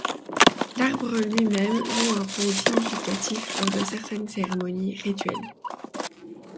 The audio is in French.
L'arbre lui-même joue un rôle significatif lors de certaines cérémonies rituelles.